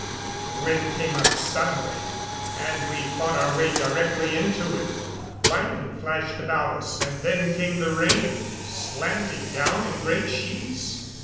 The wind came up suddenly, and we fought our way directly into it. Lightning flashed about us, and then came the rain, slanting down in great sheets.